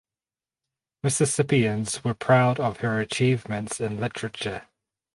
Mississippians were proud of her achievements in literature.